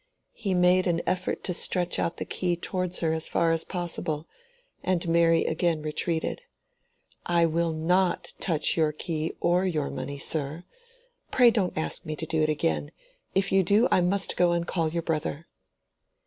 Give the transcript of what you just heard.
He made an effort to stretch out the key towards her as far as possible, and Mary again retreated. "I will not touch your key or your money, sir. Pray don't ask me to do it again. If you do, I must go and call your brother."